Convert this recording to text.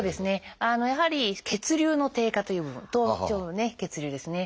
やはり血流の低下という部分頭頂部の血流ですね。